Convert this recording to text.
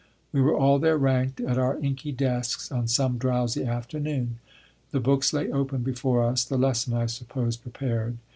We were all there ranked at our inky desks on some drowsy afternoon. The books lay open before us, the lesson, I suppose, prepared.